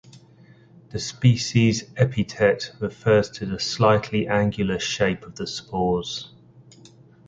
The species epithet refers to the slightly angular shape of the spores.